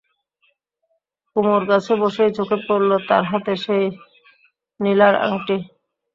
কুমুর কাছে বসেই চোখে পড়ল, তার হাতে সেই নীলার আংটি।